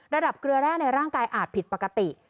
เกลือแร่ในร่างกายอาจผิดปกติ